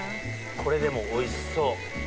これでもおいしそう！